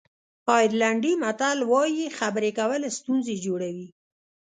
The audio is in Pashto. آیرلېنډي متل وایي خبرې کول ستونزې جوړوي.